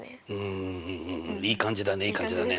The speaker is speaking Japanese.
うんいい感じだねいい感じだね。